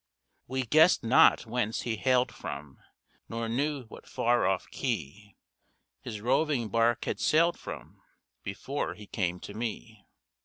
We guessed not whence he hailed from, Nor knew what far off quay His roving bark had sailed from Before he came to me.